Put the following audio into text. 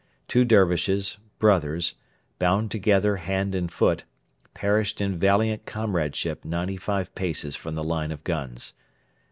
Two Dervishes, brothers, bound together hand and foot, perished in valiant comradeship ninety five paces from the line of guns.